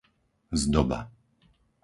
Zdoba